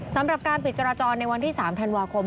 สำหรับการปิดจราจรในวันที่๓ธันวาคม